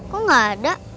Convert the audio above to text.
kok gak ada